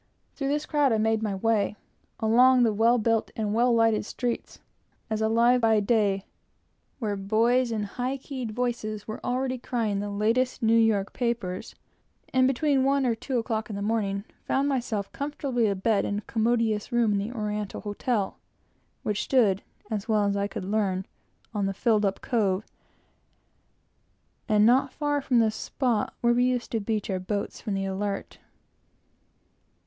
Through this crowd I made my way, along the well built and well lighted streets, as alive as by day, where boys in high keyed voices were already crying the latest New York papers; and between one and two o'clock in the morning found myself comfortably abed in a commodious room, in the Oriental Hotel, which stood, as well as I could learn, on the filled up cove, and not far from the spot where we used to beach our boats from the Alert.